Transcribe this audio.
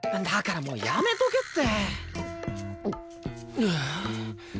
だからもうやめとけって。はあ。